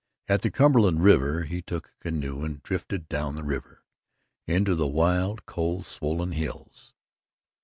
At the Cumberland River he took a canoe and drifted down the river into the wild coal swollen hills.